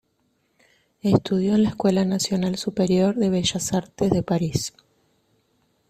Estudió en la Escuela Nacional Superior de Bellas Artes de París.